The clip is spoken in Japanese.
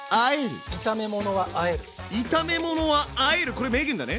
これ名言だね。